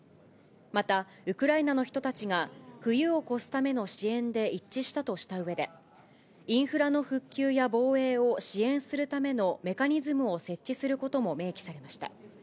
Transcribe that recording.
また、ウクライナの人たちが冬を越すための支援で一致したとしたうえで、インフラの復旧や防衛を支援するためのメカニズムを設置することも明記されました。